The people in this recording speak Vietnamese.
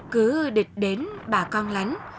cứ địch đến bà con lánh